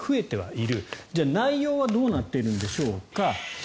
じゃあ、内容はどうなっているんでしょうか。